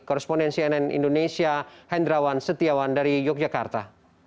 koresponden cnn indonesia hendrawan setiawan dari yogyakarta